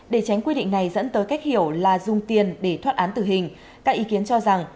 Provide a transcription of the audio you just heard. để tránh quy định này dẫn tới cách hiểu là dùng tiền để thoát án tử hình các ý kiến cho rằng